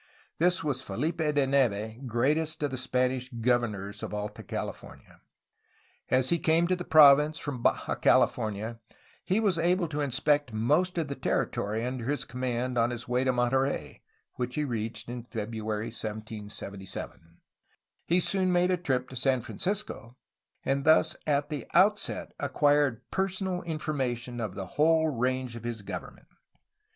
This was FeHpe de Neve, greatest of the Spanish governors of Alta California. As he came to the province from Baja California he was able to inspect most of the territory under his command on his way to Monterey, which he reached in February 1777. He soon made a trip to San Francisco, and thus at the outset acquired personal information of the whole range of his government.